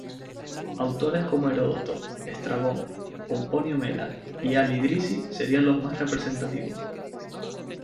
Autores como Heródoto, Estrabón, Pomponio Mela y Al-Idrisi serían los más representativos.